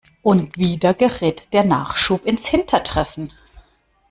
Und wieder gerät der Nachschub ins hintertreffen.